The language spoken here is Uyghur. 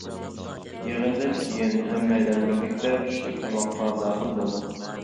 يىغىندىن كېيىن ھەممەيلەن بىرلىكتە چۈشلۈك تاماققا داخىل بولدۇق.